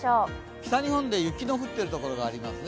北日本で雪の降ってるところがありますね